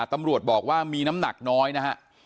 ตำรวจบอกว่ามีน้ำหนักน้อยนะฮะ